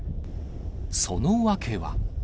その訳は。